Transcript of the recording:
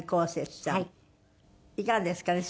いかがですかね？